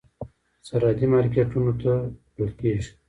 سرحدي مارکېټونو ته وړل کېږي.